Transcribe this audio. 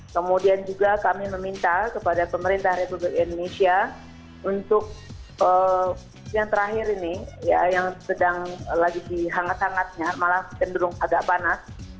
kemudian juga kami meminta kepada pemerintah republik indonesia untuk yang terakhir ini yang sedang lagi dihangat hangatnya malah cenderung agak panas